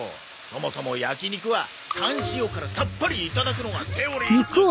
そもそも焼き肉はタン塩からさっぱりいただくのがセオリーっつうか。